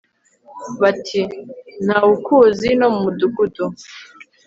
bati ntawukuzi no mu mudugudu